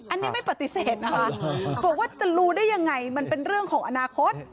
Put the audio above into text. อันนี้ไม่ปฏิเสธนะคะบอกว่าจะรู้ได้ยังไงมันเป็นเรื่องของอนาคต